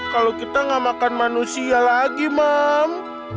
kalau kita nggak makan manusia lagi mam